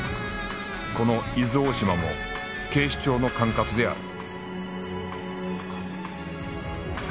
この伊豆大島も警視庁の管轄である